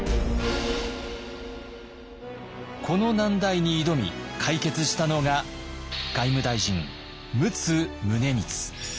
この難題に挑み解決したのが外務大臣陸奥宗光。